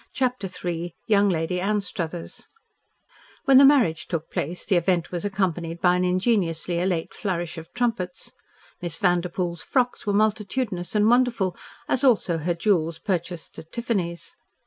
CHAPTER III YOUNG LADY ANSTRUTHERS When the marriage took place the event was accompanied by an ingenuously elate flourish of trumpets. Miss Vanderpoel's frocks were multitudinous and wonderful, as also her jewels purchased at Tiffany's.